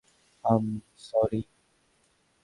আম, sorry.